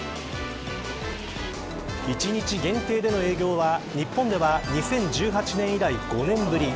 １日限定での営業は日本では、２０１８年以来５年ぶり。